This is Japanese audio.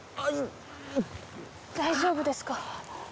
大丈夫ですか？